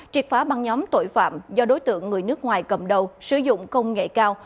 triệt phá băng nhóm tội phạm do đối tượng người nước ngoài cầm đầu sử dụng công nghệ cao